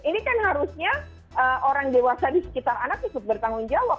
ini kan harusnya orang dewasa di sekitar anak ikut bertanggung jawab